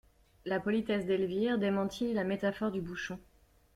La politesse d'Elvire démentit la métaphore du bouchon.